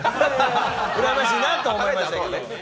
うらやましいなと思いました。